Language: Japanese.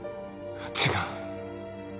違う。